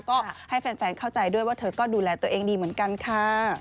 ก็ให้แฟนเข้าใจด้วยว่าเธอก็ดูแลตัวเองดีเหมือนกันค่ะ